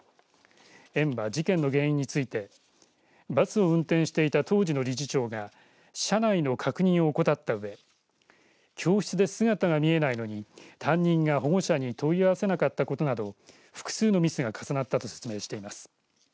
園は事件の原因についてバスを運転していた当時の理事長が車内の確認を怠ったうえ教室で姿が見えないのに担任が保護者に問い合わせなかったことなど複数のミスが重なったと説明しています。